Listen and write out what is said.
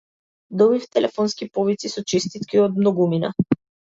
Добив телефонски повици со честитки од многумина.